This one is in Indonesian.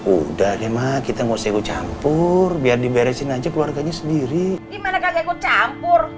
udah deh mah kita ngusik campur biar diberesin aja keluarganya sendiri gimana kagak campur